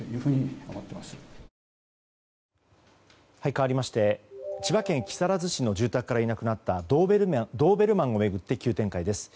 かわりまして千葉県木更津市の住宅からいなくなったドーベルマンを巡って急展開です。